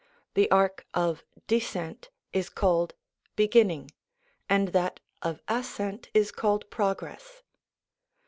The arc of descent is called beginning, 1 and that of ascent is called progress.